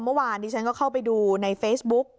เมื่อวานนี้ฉันก็เข้าไปดูในเฟซบุ๊ก